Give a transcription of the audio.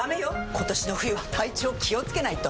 今年の冬は体調気をつけないと！